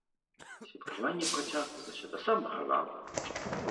Святкаванне працягвалася да самага ранку.